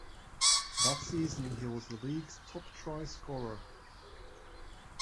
That season he was the League's top try-scorer.